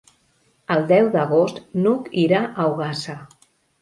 El deu d'agost n'Hug irà a Ogassa.